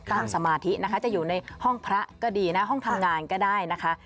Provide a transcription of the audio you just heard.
สมาธินะคะจะอยู่ในห้องพระก็ดีนะห้องทำงานก็ได้นะคะ